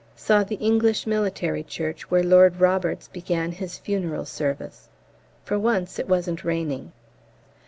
Saw the English military church where Lord Roberts began his funeral service. For once it wasn't raining.